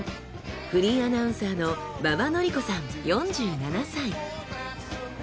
フリーアナウンサーの馬場典子さん４７歳。